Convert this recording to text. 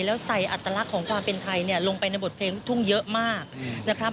แล้วใส่อัตลักษณ์ของความเป็นไทยเนี่ยลงไปในบทเพลงลูกทุ่งเยอะมากนะครับ